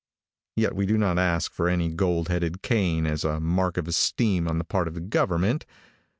Yet we do not ask for any gold headed cane as a mark of esteem on the part of the government.